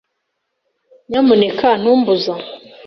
Nyamuneka ntumbuza.